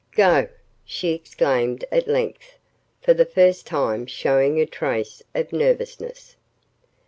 "Go!" she exclaimed at length, for the first time showing a trace of nervousness.